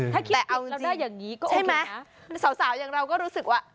ถ้าคิดเอาเราได้อย่างนี้ก็ใช่ไหมสาวอย่างเราก็รู้สึกว่า